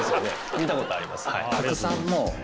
見たことあります。